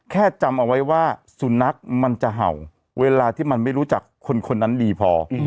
จำเอาไว้ว่าสุนัขมันจะเห่าเวลาที่มันไม่รู้จักคนนั้นดีพอ